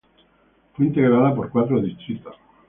Fue integrada por cuatro distritos.